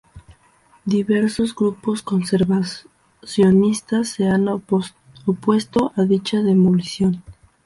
Diversos grupos conservacionistas se han opuesto a dicha demolición.